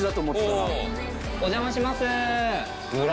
お邪魔します！